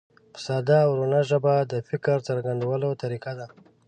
په ساده او روانه ژبه د فکر څرګندولو طریقه ده.